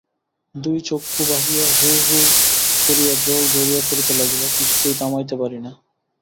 দুই চক্ষু বাহিয়া হুহু করিয়া জল ঝরিয়া পড়িতে লাগিল, কিছুতেই থামাইতে পারি না।